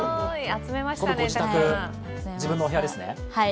ご自宅、自分のお部屋ですね。